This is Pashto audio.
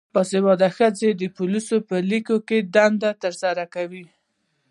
باسواده ښځې د پولیسو په لیکو کې دنده ترسره کوي.